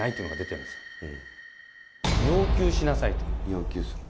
要求する？